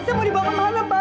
saya mau dibawa kemana pak